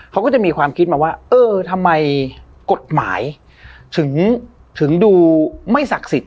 เขาก็จะมีความคิดมาว่าเออทำไมกฎหมายถึงดูไม่ศักดิ์สิทธิ